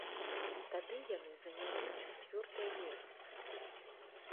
Тады яны занялі чацвёртае месца.